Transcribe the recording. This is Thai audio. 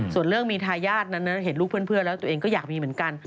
ส่วนเรื่องมีทายาทนั้นเห็นลูกเพื่อนแล้วตัวเองก็อยากมีเหมือนกัน